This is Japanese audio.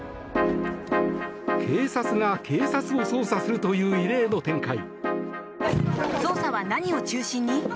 警察が警察を捜査するという異例の展開。